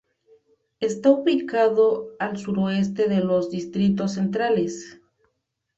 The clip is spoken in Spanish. Está ubicado al suroeste de los distritos centrales.